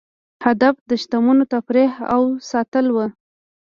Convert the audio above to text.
هدف د شتمنو تفریح او ساتل وو.